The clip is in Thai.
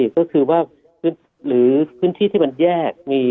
ก็คือว่าหรือพื้นที่ที่มันแยก